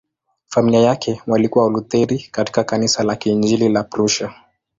Familia yake walikuwa Walutheri katika Kanisa la Kiinjili la Prussia.